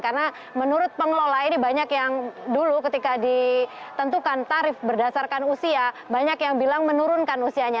karena menurut pengelola ini banyak yang dulu ketika ditentukan tarif berdasarkan usia banyak yang bilang menurunkan usianya